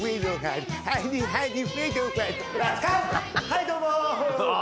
はいどうも！